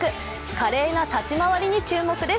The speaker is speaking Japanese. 華麗な立ち回りに注目です。